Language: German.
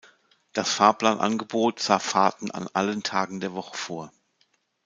Das Fahrplanangebot sah Fahrten an allen Tagen der Woche vor.